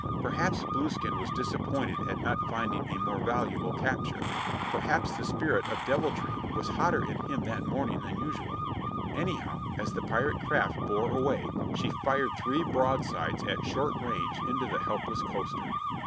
Perhaps Blueskin was disappointed at not finding a more valuable capture; perhaps the spirit of deviltry was hotter in him that morning than usual; anyhow, as the pirate craft bore away she fired three broadsides at short range into the helpless coaster.